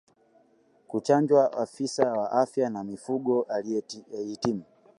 Kuchanjwa na afisa wa afya ya mifugo aliyehitimu